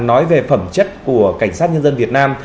nói về phẩm chất của cảnh sát nhân dân việt nam